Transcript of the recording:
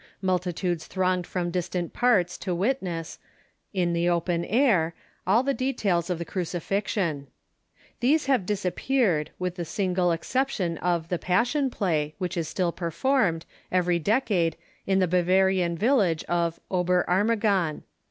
Multitudes thronged from distant parts to witness, in the open air, all the details of the crucifixion. These have disappeared, with the single ex ception of the " Passion Play," which is still performed, every decade, in the Bavarian village of Ober Ammergau.